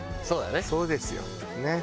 そうですよ。